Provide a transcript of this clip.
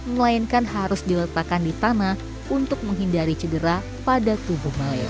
melainkan harus diletakkan di tanah untuk menghindari cedera pada tubuh maleo